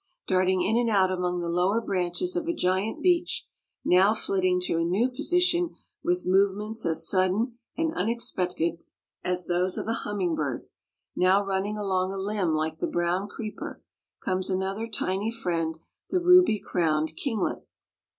Darting in and out among the lower branches of a giant beech, now flitting to a new position with movements as sudden and unexpected as those of a hummingbird, now running along a limb like the brown creeper, comes another tiny friend the ruby crowned kinglet.